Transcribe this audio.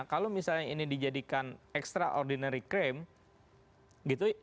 kalau misalnya ini dijadikan extraordinary crime gitu